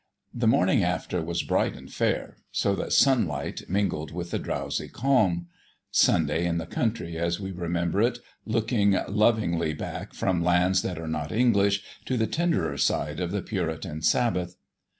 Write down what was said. The morning after was bright and fair, so that sunlight mingled with the drowsy calm Sunday in the country as we remember it, looking lovingly back from lands that are not English to the tenderer side of the Puritan Sabbath.